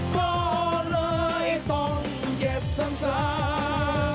ก็เลยต้องเจ็บซ้ำซา